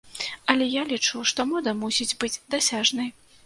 Але я лічу, што мода мусіць быць дасяжнай.